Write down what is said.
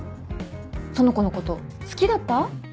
その子のこと好きだった？